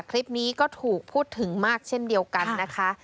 คลิปนี้ก็ถูกพูดถึงมากเช่นเดียวกันนะคะ